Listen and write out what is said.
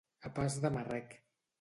A pas de marrec.